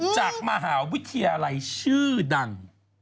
จากมหาวิทยาลัยชื่อดัง